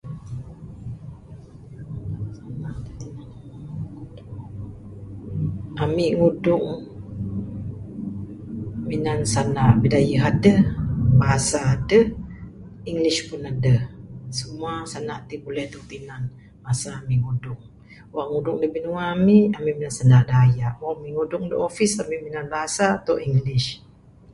Ami ngudung minan sanda bidayuh adeh, bahasa adeh, english pun adeh. Simua sanda ti buleh dog tinan masa ami ngudung. Wang ngudung binua ami, ami minan sanda dayak. Wang ami ngudung da office ami minan bahasa ato english.